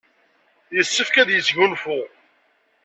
Yessefk ad yesgunfu.